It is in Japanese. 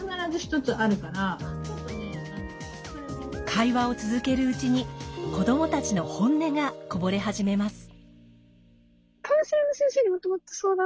会話を続けるうちに子どもたちの本音がこぼれ始めます。